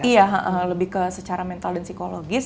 iya lebih ke secara mental dan psikologis